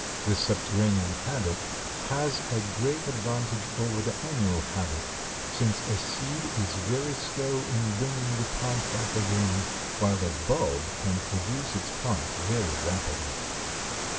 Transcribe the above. This subterranean habit has a great advantage over the annual habit, since a seed is very slow in bringing the plant back again, while a bulb can produce its plant very rapidly.